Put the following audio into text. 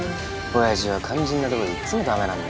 親父は肝心なとこでいっつもダメなんだよ。